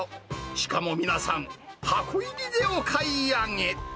しかも皆さん、箱入りでお買い上げ。